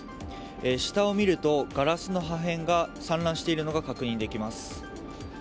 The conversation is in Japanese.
下を見ると、ガラスの破片が散乱しているのが確認できます。